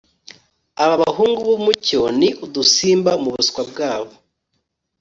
aba bahungu b'umucyo ni udusimba mubuswa bwabo